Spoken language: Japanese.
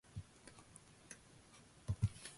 いまの銅駝中学の北にあった木戸孝允の住居跡に移りました